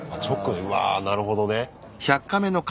うわなるほどね。